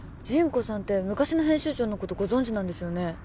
ジンコさんって昔の編集長のことご存じなんですよね